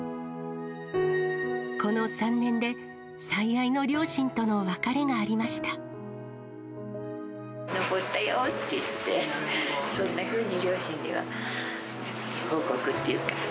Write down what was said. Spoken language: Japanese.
この３年で、最愛の両親との登ったよっていって、そんなふうに両親には報告っていうか。